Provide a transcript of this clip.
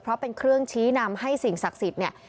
เพราะเป็นเครื่องชี้นำให้สิ่งศักดิ์สิทธิ์เนี่ย